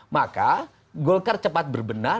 maka golkar cepat berbenah